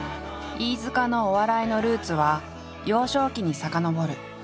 飯塚のお笑いのルーツは幼少期に遡る。